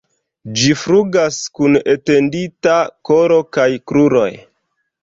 Ĝi flugas kun etendita kolo kaj kruroj.